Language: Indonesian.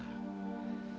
kamu bisa berubah